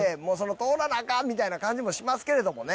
「通らなアカン」みたいな感じもしますけれどもね